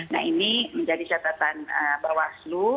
nah ini menjadi catatan bahwa seluruh